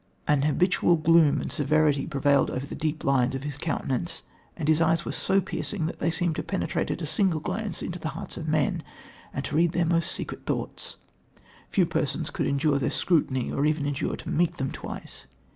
An habitual gloom and severity prevailed over the deep lines of his countenance, and his eyes were so piercing that they seemed to penetrate at a single glance into the hearts of men, and to read their most secret thoughts few persons could endure their scrutiny or even endure to meet them twice